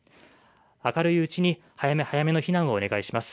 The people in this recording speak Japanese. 明るいうちに早め早めの避難をお願いします。